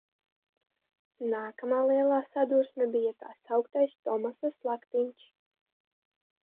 "Nākamā lielā sadursme bija tā sauktais "Tomasa slaktiņš"."